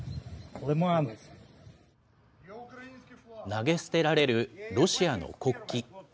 投げ捨てられるロシアの国旗。